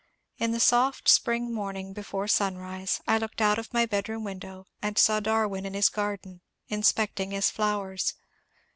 In the soft spring morn ing before sunrise I looked out of my bedroom window and saw Darwin in his garden, inspecting his flowers.